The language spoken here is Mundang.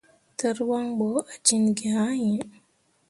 Tǝrwaŋ bo ah cin gi haa yĩĩ.